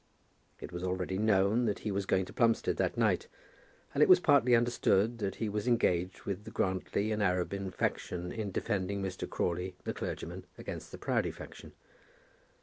It was already known that he was going to Plumstead that night, and it was partly understood that he was engaged with the Grantly and Arabin faction in defending Mr. Crawley the clergyman against the Proudie faction.